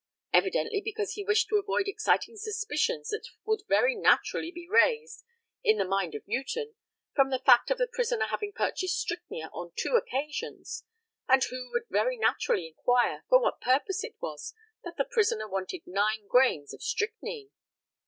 Evidently because he wished to avoid exciting suspicions which would very naturally be raised in the mind of Newton, from the fact of the prisoner having purchased strychnia on two occasions, and who would very naturally inquire for what purpose it was that the prisoner wanted nine grains of strychnine.